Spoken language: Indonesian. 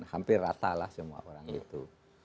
hampir rata lah semua orang itu